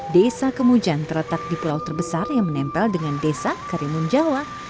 desa kemujan terletak di pulau terbesar yang menempel dengan desa karimun jawa